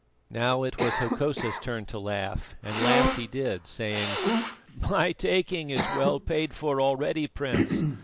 Now it was Hokosa's turn to laugh, and laugh he did, saying: "My taking is well paid for already, Prince.